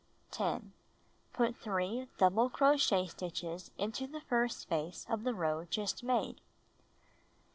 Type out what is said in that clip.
10. Put 3 double crochet stitches into the first space of the row just made.